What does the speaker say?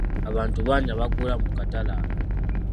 Abantu bangi abagula mu katale ako.